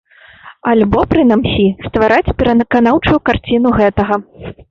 Альбо прынамсі ствараць пераканаўчую карціну гэтага.